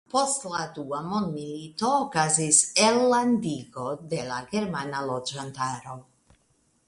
Post la dua mondmilito okazis elllandigo de la germana loĝantaro.